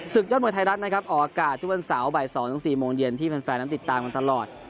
ยอดมวยไทยรัฐนะครับออกอากาศทุกวันเสาร์บ่าย๒๔โมงเย็นที่แฟนนั้นติดตามกันตลอด